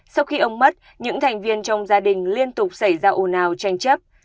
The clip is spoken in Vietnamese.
sau khi ông mất những thành viên trong gia đình liên tục xảy ra ồn ào tranh chấp